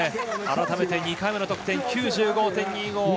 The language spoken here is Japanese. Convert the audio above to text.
改めて２回目の得点９５．２５。